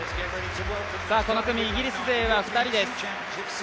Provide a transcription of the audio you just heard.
この組イギリス勢は２人です。